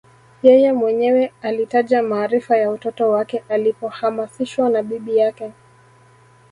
Yeye mwenyewe alitaja maarifa ya utoto wake alipohamasishwa na bibi yake